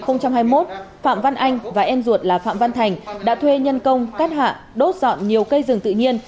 phạm văn anh và em ruột là phạm văn thành đã thuê nhân công cắt hạ đốt dọn nhiều cây rừng tự nhiên